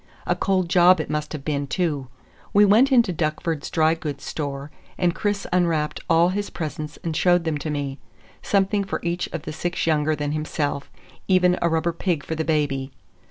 A cold job it must have been, too! We went into Duckford's dry goods store, and Chris unwrapped all his presents and showed them to me—something for each of the six younger than himself, even a rubber pig for the baby.